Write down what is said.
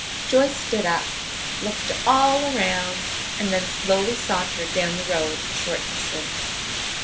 Joyce stood up, looked all around, and then slowly sauntered down the road a short distance.